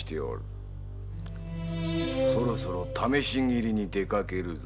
そろそろ試し斬りに出かけるぞ。